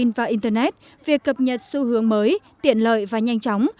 thông tin và internet việc cập nhật xu hướng mới tiện lợi và nhanh chóng